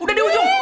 udah di ujung